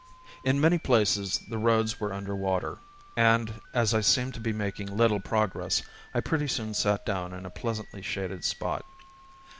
In many places the roads were under water, and as I seemed to be making little progress, I pretty soon sat down in a pleasantly shaded spot.